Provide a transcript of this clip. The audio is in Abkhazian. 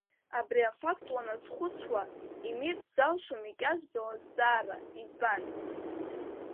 Абри афакт уаназхәыцуа, имирц залшом икьаҿӡоу азҵаара избан?